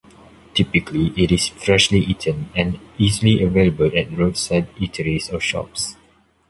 Typically it is freshly eaten and easily available at roadside eateries or shops.